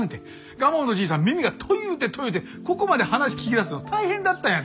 蒲生のじいさん耳が遠ぃゆうて遠ぃゆうてここまで話聞き出すの大変だったんやけ。